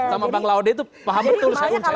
sama bang laude itu paham betul syaiun syaiunnya apa